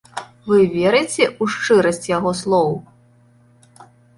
Вы верыце ў шчырасць яго слоў?